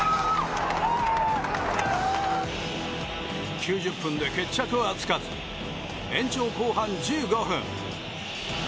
９０分で決着はつかず延長後半１５分。